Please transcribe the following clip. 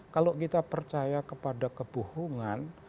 kalau kita percaya kepada kebohongan